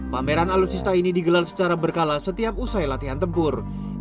pameran alutsista ini digelar secara berkala setiap usai latihan tempur